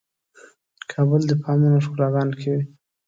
کابل دې په امن او ښکلاګانو کې وي.